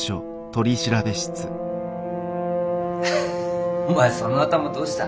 フフッお前その頭どうした？